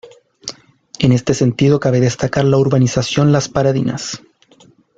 En este sentido cabe destacar la Urbanización Las Paradinas.